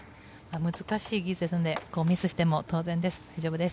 難しい技術ですのでミスしても当然です。